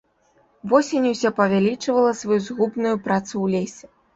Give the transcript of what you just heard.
Восень усё павялічвала сваю згубную працу ў лесе.